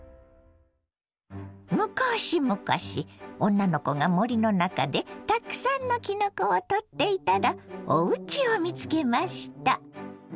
むかしむかし女の子が森の中でたくさんのきのこを採っていたらおうちを見つけました。